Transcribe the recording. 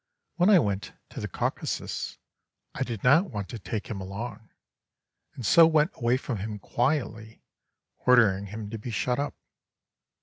When I went to the Caucasus, I did not want to take him along, and so went away from him quietly, ordering him to be shut up.